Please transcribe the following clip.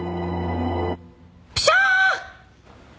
プシャー！